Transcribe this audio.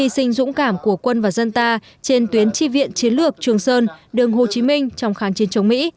sinh dũng cảm của quân và dân ta trên tuyến tri viện chiến lược trường sơn đường hồ chí minh trong kháng chiến chống mỹ